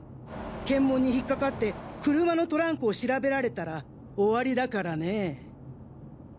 検問に引っかかって車のトランクを調べられたら終わりだからねぇ。